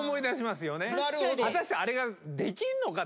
果たしてあれができるのか？